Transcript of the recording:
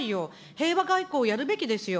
平和外交をやるべきですよ。